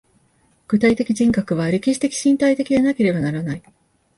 具体的人格は歴史的身体的でなければならない。